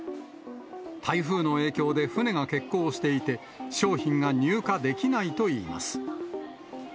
台風の影響で船が欠航していて、商品が入荷できないといいます。